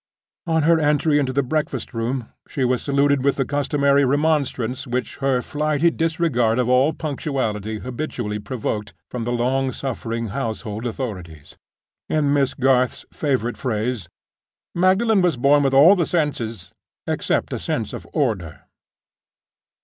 On her entry into the breakfast room, she was saluted with the customary remonstrance which her flighty disregard of all punctuality habitually provoked from the long suffering household authorities. In Miss Garth's favorite phrase, "Magdalen was born with all the senses—except a sense of order."